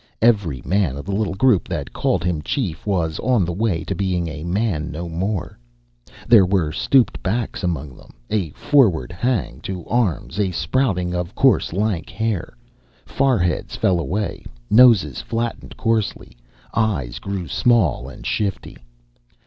Every man of the little group that called him chief was on the way to be a man no more. There were stooped backs among them, a forward hang to arms, a sprouting of coarse, lank hair. Foreheads fell away, noses flattened coarsely, eyes grew small and shifty.